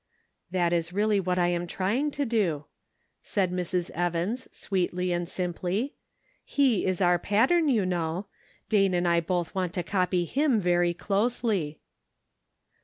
" That is really what I am trying to do," said Mrs. Evans, sweetly and simply ;" He is our pattern, you know ; Dane and I both want to copy him very closely."